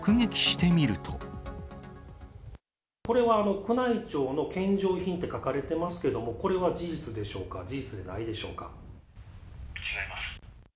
これは、宮内庁の献上品って書かれてますけども、これは事実でしょうか、違います。